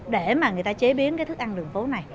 để mà người ta chế biến cái thức ăn đường phố này